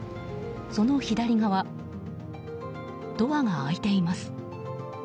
その左側、ドアが開いています。